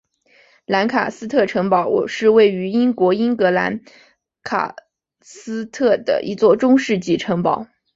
兰卡斯特城堡是位于英国英格兰兰卡斯特的一座中世纪城堡。